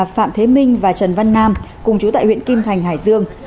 phạm thế minh và trần văn nam cùng chú tại huyện kim thành hải dương